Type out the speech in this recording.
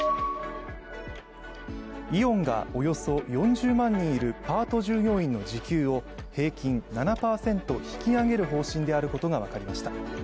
イオンがおよそ４０万人いるパート従業員の時給を平均７％引き上げる方針であることが分かりました。